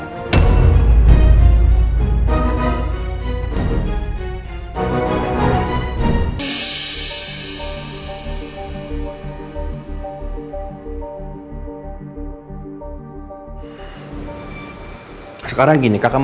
tapi akan saya melukakan